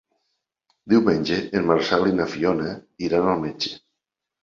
Diumenge en Marcel i na Fiona iran al metge.